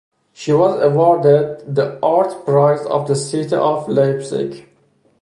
She was awarded the Art Prize of the City of Leipzig.